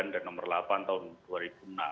dan nomor delapan tahun dua ribu enam